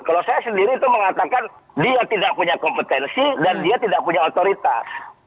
kalau saya sendiri itu mengatakan dia tidak punya kompetensi dan dia tidak punya otoritas